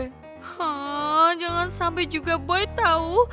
haaa jangan sampe juga boy tau